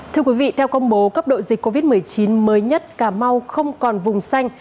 thưa quý vị theo công bố cấp độ dịch covid một mươi chín mới nhất cà mau không còn vùng xanh